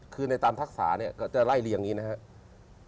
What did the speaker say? คือในตามทักษะเนี่ยก็จะไล่เรียงอย่างนี้นะครับ